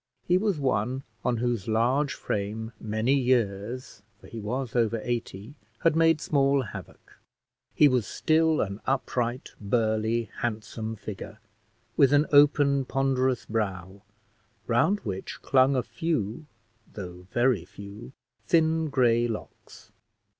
He was one on whose large frame many years, for he was over eighty, had made small havoc; he was still an upright, burly, handsome figure, with an open, ponderous brow, round which clung a few, though very few, thin gray locks.